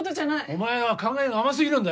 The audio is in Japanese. お前は考えが甘過ぎるんだよ！